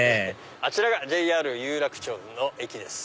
あちらがＪＲ有楽町の駅です。